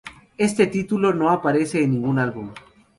Este título no aparece en ningún álbum.